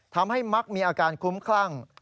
ทำให้มักมีอาการคุ้มคลั่ง